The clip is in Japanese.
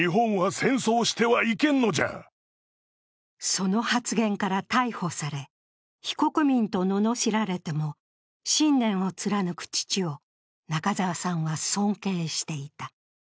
その発言から逮捕され、非国民とののしられても信念を貫く父を中沢さんは尊敬していた。